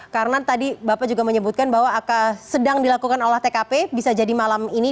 karena tadi bapak juga menyebutkan bahwa sedang dilakukan olah tkp bisa jadi malam ini